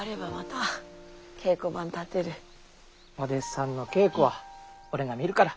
お弟子さんの稽古は俺が見るから。